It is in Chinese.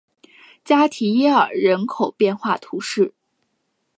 加提耶尔人口变化图示